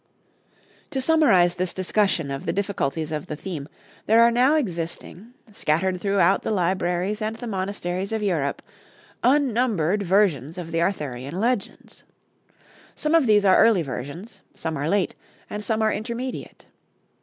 To summarize this discussion of the difficulties of the theme, there are now existing, scattered throughout the libraries and the monasteries of Europe, unnumbered versions of the Arthurian legends. Some of these are early versions, some are late, and some are intermediate.